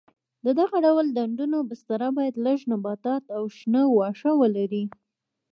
د دغه ډول ډنډونو بستره باید لږ نباتات او شین واښه ولري.